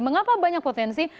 mengapa banyak potensi